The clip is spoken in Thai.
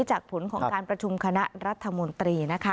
จากผลของการประชุมคณะรัฐมนตรี